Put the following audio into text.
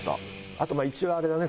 あと一応あれだね。